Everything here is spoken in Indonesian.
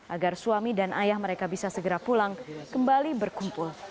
agar suami dan ayah mereka bisa segera pulang kembali berkumpul